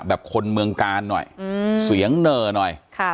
แบบคนเมืองกาลหน่อยอืมเสียงเนอหน่อยค่ะ